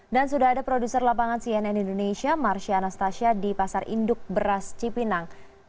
sudah ada produser lapangan cnn indonesia marsya anastasia di pasar induk beras cipinang